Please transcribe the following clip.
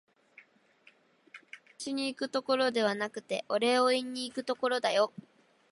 神社とは、お願いをしに行くところではなくて、お礼を言いにいくところだよ